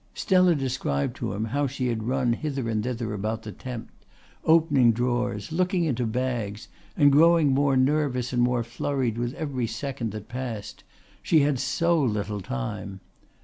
Stella described to him how she had run hither and thither about the tent, opening drawers, looking into bags and growing more nervous and more flurried with every second that passed. She had so little time.